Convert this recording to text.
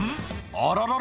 あららら？